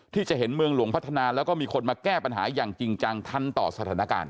ที่จะเห็นเมืองหลวงพัฒนาแล้วก็มีคนมาแก้ปัญหาอย่างจริงจังทันต่อสถานการณ์